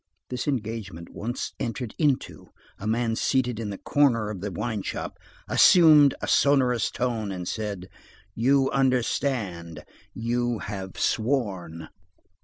This engagement once entered into, a man seated in the corner of the wine shop "assumed a sonorous tone," and said, "You understand! You have sworn!"